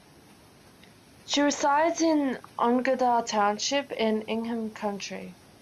She resides in Onondaga Township in Ingham County.